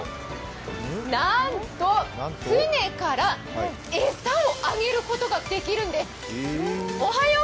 なんと船から餌をあげることができるんです。